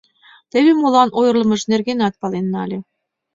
Теве молан ойырлымыж нергенат пален нале.